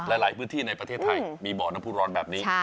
หลายหลายพื้นที่ในประเทศไทยอืมมีบ่อน้ำภูร้อนแบบนี้ใช่ค่ะ